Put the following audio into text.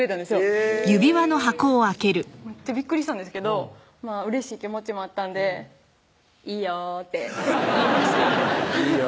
へぇめっちゃびっくりしたんですけどうれしい気持ちもあったんで「いいよ」って言いました「いいよ」